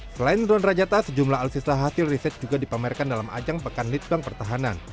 selain drone rajata sejumlah alutsista hasil riset juga dipamerkan dalam ajang pekan lead bank pertahanan